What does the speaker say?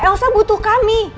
elsa butuh kami